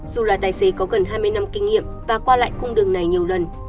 dù là tài xế có gần hai mươi năm kinh nghiệm và qua lại cung đường này nhiều lần